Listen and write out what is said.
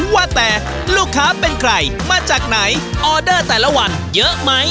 ว่าแต่ลูกค้าเป็นใครมาจากไหนออเดอร์แต่ละวันเยอะไหม